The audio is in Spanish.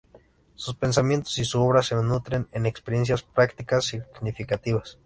Su pensamiento y su obra se nutren de experiencias prácticas significativas.